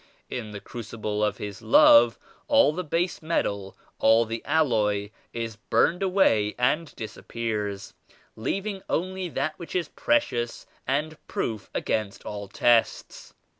In the crucible of His Love, all the base metal, all the alloy is burned away and disappears, leaving only that which is precious and proof against all tests.